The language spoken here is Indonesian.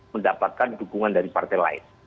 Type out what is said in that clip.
mendapatkan dukungan dari partai lain